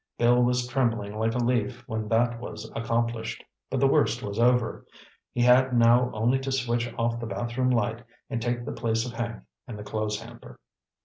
Bill was trembling like a leaf when that was accomplished. But the worst was over. He had now only to switch off the bathroom light and take the place of Hank in the clothes hamper.